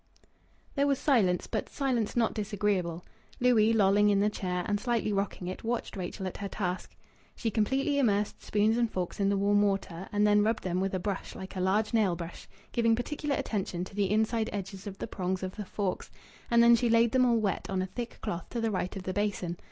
There was silence, but silence not disagreeable. Louis, lolling in the chair, and slightly rocking it, watched Rachel at her task. She completely immersed spoons and forks in the warm water, and then rubbed them with a brush like a large nail brush, giving particular attention to the inside edges of the prongs of the forks; and then she laid them all wet on a thick cloth to the right of the basin.